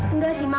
enggak sih ma